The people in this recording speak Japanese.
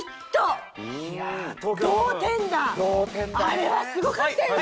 あれはすごかったよね！